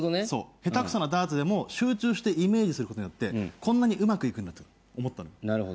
下手くそなダーツでも集中してイメージすることによってこんなにうまくいんだと思ったの。